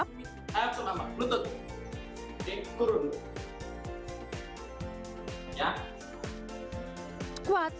squat saat dapat squat lutut tidak melebihi dari ujung nafas